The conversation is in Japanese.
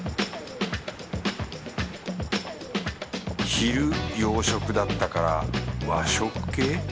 昼洋食だったから和食系？